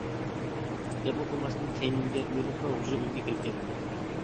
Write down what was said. گەپمۇ قىلماستىن كەينىمگە ئۆرۈلۈپلا ھۇجرا ئۆيۈمگە كىرىپ كەتتىم.